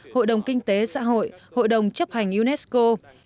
hội đồng kinh tế xã hội hội đồng chấp hành unesco